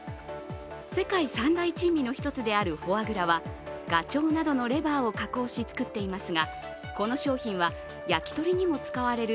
世界三大珍味の一つであるフォアグラはガチョウなどのレバーなどを加工して作っていますがこの商品は、焼き鳥にも使われる。